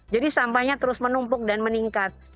jadi sampahnya terus menumpuk dan meningkat